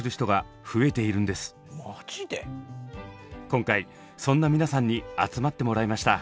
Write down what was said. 今回そんな皆さんに集まってもらいました。